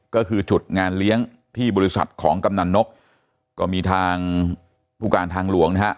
ก็คือจุดงานเลี้ยงที่บริษัทของกำนันนกก็มีทางผู้การทางหลวงนะฮะ